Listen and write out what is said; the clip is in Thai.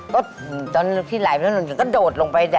ก็ตอนที่ไหลไปถนนก็โดดลงไป